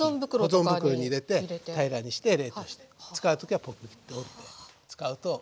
保存袋に入れて平らにして冷凍して使う時はポキッと折って使うとすごく便利です。